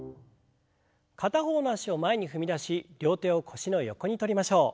片方の脚を前に踏み出し両手を腰の横に取りましょう。